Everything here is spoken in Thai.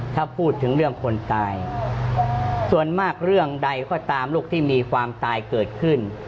ถ้าพูดถึงเรื่องคนตายส่วนมากเรื่องใดก็ตามลูกที่มีความตายเกิดขึ้น